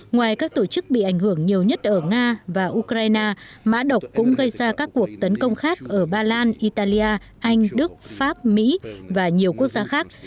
ngoài các tổ chức bị ảnh hưởng nhiều nhất ở nga và ukraine mã độc cũng gây ra các cuộc tấn công khác ở ba lan italia anh đức pháp mỹ và nhiều quốc gia khác